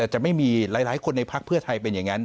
จะไม่มีหลายคนในพักเพื่อไทยเป็นอย่างนั้น